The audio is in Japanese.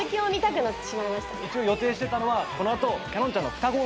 一応予定してたのはこのあと。